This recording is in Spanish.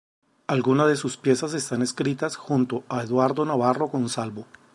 Algunas de sus piezas están escritas junto a Eduardo Navarro Gonzalvo.